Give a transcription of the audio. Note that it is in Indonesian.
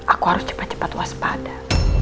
aku harus cepat cepat waspada